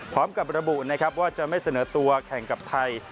พร้อมกับระบุนะครับว่าจะไม่เสนอตัวแข่งกับไทย